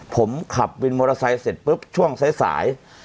ผมขับวินมอเตอร์ไซค์เสร็จปุ๊บช่วงสาย